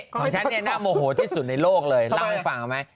ของฉันน่าโมโหที่สุดในโลกเลยลองฟังไหม